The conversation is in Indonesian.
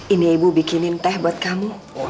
ini ibu bikinin teh buat kamu